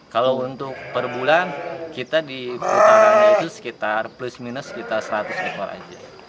kalau untuk per bulan kita di putarannya itu sekitar plus minus sekitar seratus ekor aja